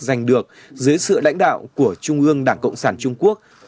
giành được dưới sự lãnh đạo của trung ương đảng cộng sản trung quốc